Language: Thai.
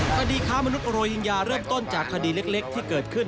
คดีค้ามนุษยโรฮิงญาเริ่มต้นจากคดีเล็กที่เกิดขึ้น